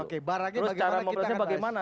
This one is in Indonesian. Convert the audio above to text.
terus cara memperbaikannya bagaimana